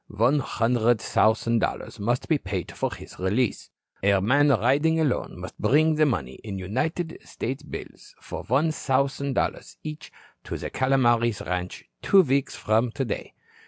One hundred thousand dollars must be paid for his release. A man riding alone must bring the money in United States bills of one thousand dollars each to the Calomares ranch two weeks from today.